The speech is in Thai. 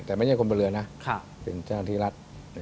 แต่ไม่ใช่คนเป็นเรือนะเป็นชาติที่รัฐ